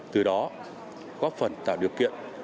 từ đó góp phần tạo điều kiện